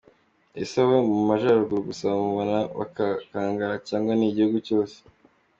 – Ese ni abo mu Majaruguru gusa bamubona bagakangarana, cyangwa ni igihugu cyose?